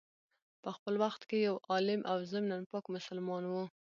په خپل وخت کي یو عالم او ضمناً پاک مسلمان وو.